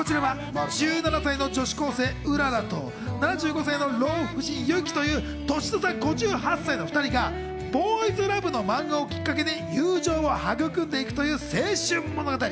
こちらは１７歳の女子高生うららと、７５歳の老婦人、雪という年の差５８歳の２人がボーイズラブの漫画をきっかけで友情を育んでいくという青春物語。